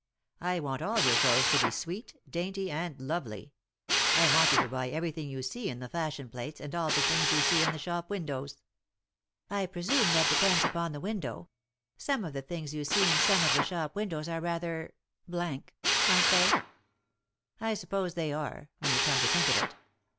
I want all your clothes to be sweet, dainty, and lovely ; I want you to buy every thing you see in the fashion plates and all the things you see in the shop windows." " I presume that depends upon the window. Some of the things you see in some of the shop windows are rather , aren't they ?"" I suppose they are, when you come to think of it.